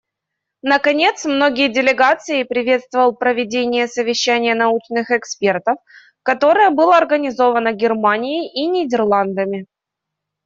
Наконец, многие делегации приветствовал проведение совещания научных экспертов, которое было организовано Германией и Нидерландами.